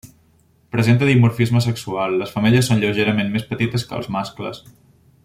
Presenta dimorfisme sexual: les femelles són lleugerament més petites que els mascles.